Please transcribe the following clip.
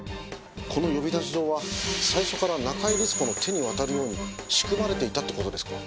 この呼び出し状は最初から中井律子の手に渡るように仕組まれていたって事ですか？